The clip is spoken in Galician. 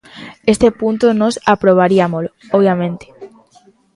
Este punto nós aprobariámolo, obviamente.